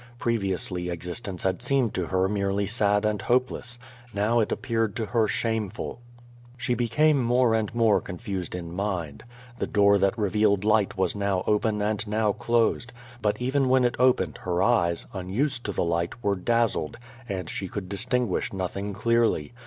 Previously existence had seemed to her merely sad and hopeless. Now it appeared to her shameful. She became more and more confused in mind. The door that revealed light was now open and now closed. But even when it opened her eyes, unused to the light, were dazzled, and she could distinguish nothing clearly.